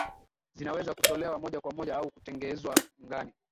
zinaweza kutolewa moja kwa moja au kutengenezwa angani